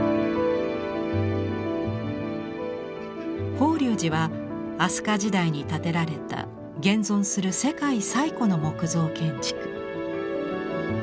法隆寺は飛鳥時代に建てられた現存する世界最古の木造建築。